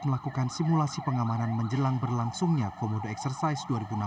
melakukan simulasi pengamanan menjelang berlangsungnya komodo eksersis dua ribu enam belas